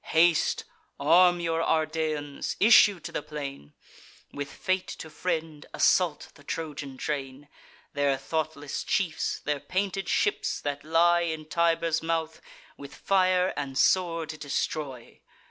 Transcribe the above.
Haste; arm your Ardeans; issue to the plain; With fate to friend, assault the Trojan train: Their thoughtless chiefs, their painted ships, that lie In Tiber's mouth, with fire and sword destroy.